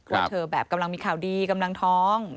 ว่าเธอแบบกำลังมีข่าวดีกำลังท้อง